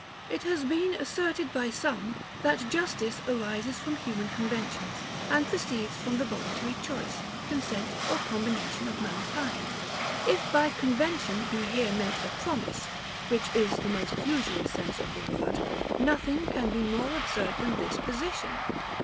It has been asserted by some, that justice arises from Human Conventions, and proceeds from the voluntary choice, consent, or combination of mankind. If by CONVENTION be here meant a PROMISE (which is the most usual sense of the word) nothing can be more absurd than this position.